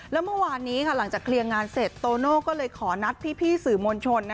แล้วเมื่อวานนี้หลังจากเคลียร์งานเสร็จโตโน่ก็เลยขอนัดพี่สื่อมวลชน